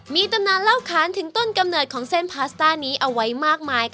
มีตำนานเล่าค้านถึงต้นกำเนิดของเส้นพาสต้านี้เอาไว้มากมาย